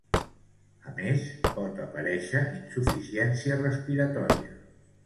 A més, pot aparéixer insuficiència respiratòria.